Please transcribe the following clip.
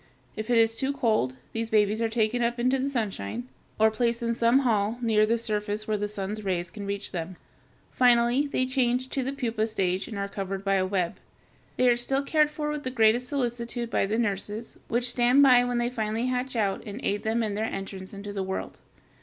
If it is too cold, these babies are taken up into the sunshine, or placed in some hall near the surface where the sun's rays can reach them. Finally they change to the pupa stage and are covered by a web. They are still cared for with the greatest solicitude by the nurses, which stand by when they finally hatch out and aid them in their entrance into the world.